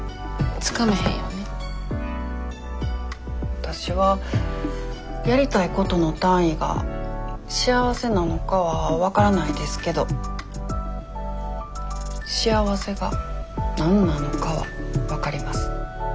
わたしはやりたいことの単位が幸せなのかは分からないですけど幸せが何なのかは分かります。